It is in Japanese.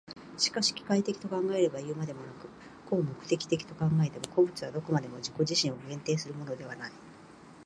しかし機械的と考えればいうまでもなく、合目的的と考えても、個物はどこまでも自己自身を限定するものではない。